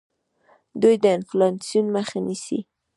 دوی د انفلاسیون مخه نیسي.